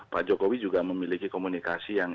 pak jokowi juga memiliki komunikasi yang